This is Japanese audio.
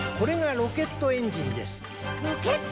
ロケットエンジン？